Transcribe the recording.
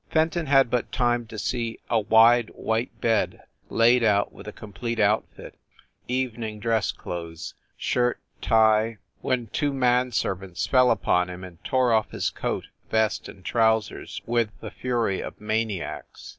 Fenton had but time to see a wide white bed laid out with a complete outfit, evening dress clothes, shirt, tie when two man servants fell upon him and tore off his coat, vest and trousers with the fury of maniacs.